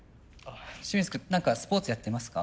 清水君何かスポーツやってますか？